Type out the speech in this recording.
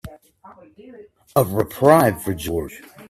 The reprieve for George.